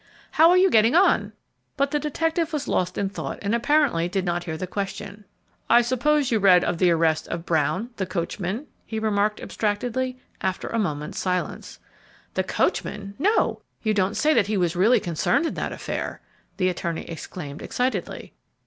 "How are you getting on?" But the detective was lost in thought and apparently did not hear the question. "I suppose you read of the arrest of Brown, the coachman?" he remarked, abstractedly, after a moment's silence. "The coachman? No! you don't say that he was really concerned in that affair?" the attorney exclaimed, excitedly.